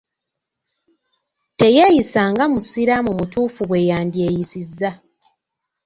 Teyeeyisa nga musiramu mutuufu bwe yandyeyisiza.